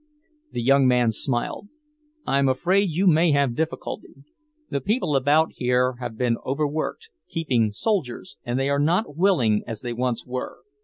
The young man smiled. "I'm afraid you may have difficulty. The people about here have been overworked, keeping soldiers, and they are not willing as they once were.